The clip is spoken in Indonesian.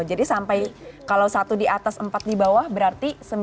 jadi sampai kalau satu di atas empat dibawah berarti sembilan